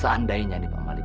seandainya nih pak malik